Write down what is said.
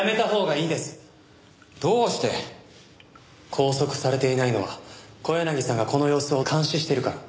拘束されていないのは小柳さんがこの様子を監視しているから。